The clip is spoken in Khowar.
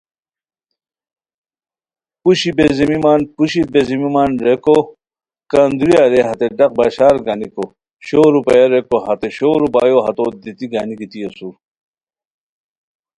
پوشی بیزیمیمان پوشی بیزیمیمان ریکو کندریہ رے ہتے ڈاق بشار گانیکو شور روپیہ ریکو ہتے شور روپیو ہتوت دیتی گانی گیتی اسور